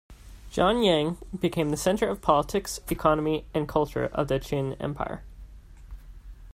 Xianyang became the centre of politics, economy and culture of the Qin empire.